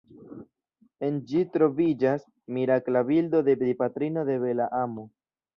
En ĝi troviĝas mirakla bildo de Dipatrino de Bela Amo.